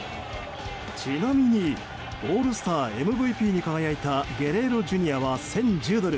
ちなみにオールスターＭＶＰに輝いたゲレーロＪｒ．は１０１０ドル